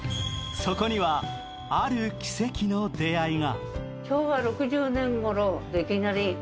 そこには、ある奇跡の出会いが。